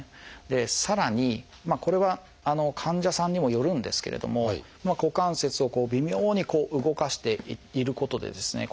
でさらにこれは患者さんにもよるんですけれども股関節を微妙に動かしていることでですね